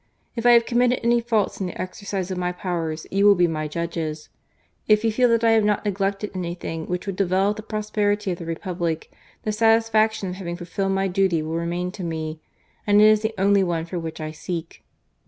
If I have committed any faults in the exercise of my powers, you will be my judges. If you feel that I have not neglected anything which would develope the prosperity of the Republic, the satisfaction of having fulfilled my duty will remain to me, and it is the only one for which I seek."